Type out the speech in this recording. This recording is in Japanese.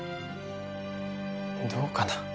どうかな。